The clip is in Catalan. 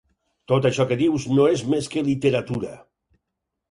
Tot això que dius no és més que literatura.